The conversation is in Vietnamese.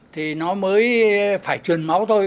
thì nó mới phải truyền máu thôi